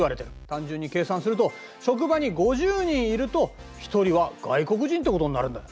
単純に計算すると職場に５０人いると１人は外国人ってことになるんだ。